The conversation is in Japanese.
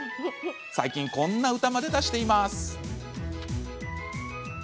最近、こんな歌まで出しています。